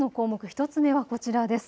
１つ目はこちらです。